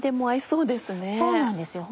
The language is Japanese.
そうなんですよ